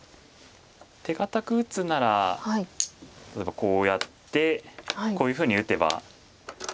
手堅く打つなら例えばこうやってこういうふうに打てばこれは。